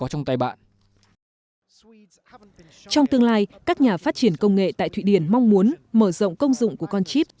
trong tương lai các nhà phát triển công nghệ tại thụy điển mong muốn mở rộng công dụng của con chip